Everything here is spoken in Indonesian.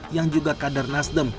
yang juga kader nasdem